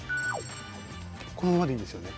このままでいいんですよね？